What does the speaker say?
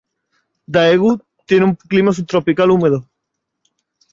Daegu tiene un clima sub-tropical húmedo.